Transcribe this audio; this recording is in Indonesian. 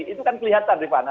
itu kan kelihatan rifana